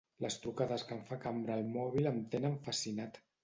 Les trucades que em fa Cambra al mòbil em tenen fascinat.